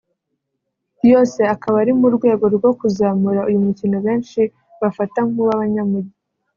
yose akaba ari mu rwego rwo kuzamura uyu mukino benshi bafata nk’uw’abanyamujyi